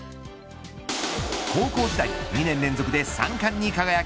高校時代２年連続で三冠に輝き